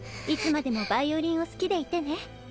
いつまでもヴァイオリンを好きでいてね。